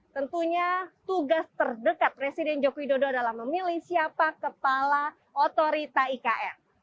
tentunya tugas terdekat presiden joko widodo adalah memilih siapa kepala otorita ikn